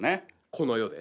この世で？